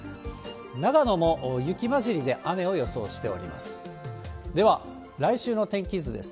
長野も雪交じりで、雨を予想しております。